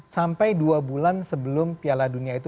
sampai dua bulan sebelum piala dunia itu